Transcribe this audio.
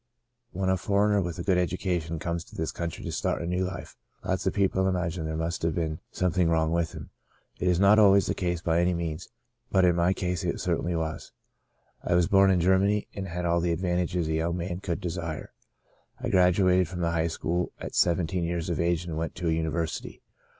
" When a foreigner with a good education comes to this country to start a new life, lots of people imagine there must have been something wrong with him. It is not always the case by any means, but in my case it certainly was. " I was born in Germany, and had all the advantages a young man could desire. I graduated from the high school at seventeen years of age and went to a university.